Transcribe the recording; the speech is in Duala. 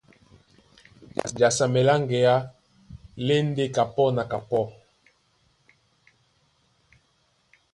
Jasamɛ lá ŋgeá lá e ndé kapɔ́ na kapɔ́,